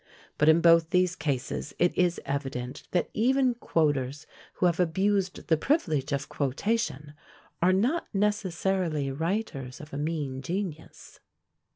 But in both these cases it is evident that even quoters who have abused the privilege of quotation are not necessarily writers of a mean genius.